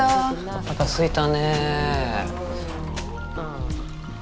おなかすいたね。